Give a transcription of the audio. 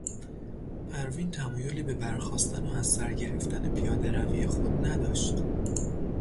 پروین تمایلی به برخاستن و از سر گرفتن پیادهروی خود نداشت.